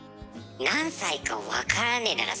何歳か分からねえなら